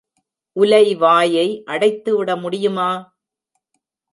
உலை வாயை அடைத்துவிட முடியுமா?